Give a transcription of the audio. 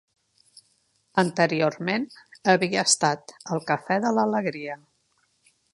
Anteriorment havia estat el Cafè de l'Alegria.